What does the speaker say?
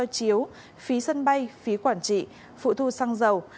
giá vé chiếu phí sân bay phí quản trị phụ thu xăng dầu